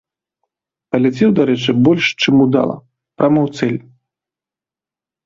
Паляцеў, дарэчы, больш чым удала прама ў цэль.